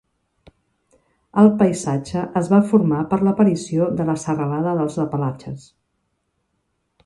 El paisatge es va formar per l'aparició de la serralada dels Apalatxes.